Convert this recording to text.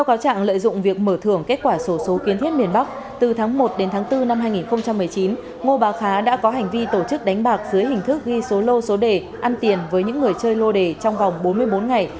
kết quả số số kiến thiết miền bắc từ tháng một đến tháng bốn năm hai nghìn một mươi chín ngô bà khá đã có hành vi tổ chức đánh bạc dưới hình thức ghi số lô số đề ăn tiền với những người chơi lô đề trong vòng bốn mươi bốn ngày